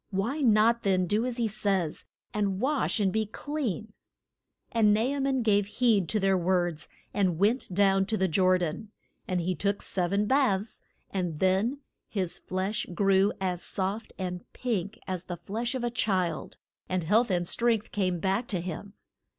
Why not then do as he says, and wash and be clean? And Na a man gave heed to their words and went down to the Jor dan. And he took sev en baths, and then his flesh grew as soft and pink as the flesh of a child, and health and strength came back to him.